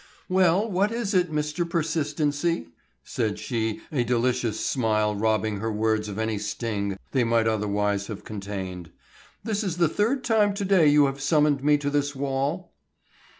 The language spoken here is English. "Well, what is it, Mr. Persistency?" said she, a delicious smile robbing her words of any sting they might otherwise have contained. "This is the third time to day you have summoned me to this wall."